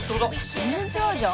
全然違うじゃん。